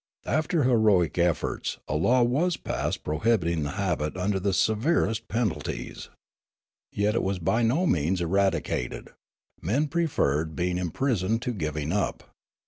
After heroic efforts, a law was passed pro hibiting the habit under the severest penalties. Yet it 196 Riallaro was by no means eradicated ; men preferred being im prisoned to giving it up.